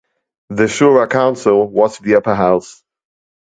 The Shura Council was the upper house.